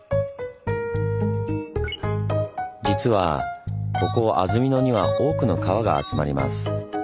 実はここ安曇野には多くの川が集まります。